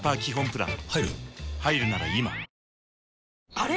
あれ？